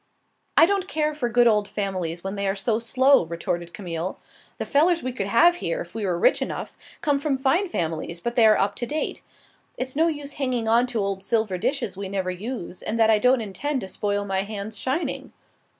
"I don't care for good old families when they are so slow," retorted Camille. "The fellers we could have here, if we were rich enough, come from fine families, but they are up to date. It's no use hanging on to old silver dishes we never use and that I don't intend to spoil my hands shining.